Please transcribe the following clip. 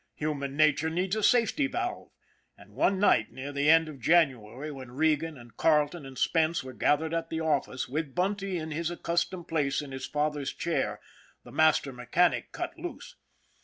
Human na ture needs a safety valve, and one night near the end of January when Regan and Carleton and Spence were gathered at the office, with Bunty in his accus tomed place in his father's chair, the master mechanic cut loose.